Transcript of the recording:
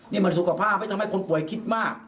นี่มันสุขภาพไม่ทำให้คนป่วยคิดมาก